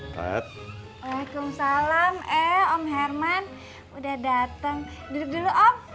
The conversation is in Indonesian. waalaikumsalam eh om herman udah datang duduk dulu om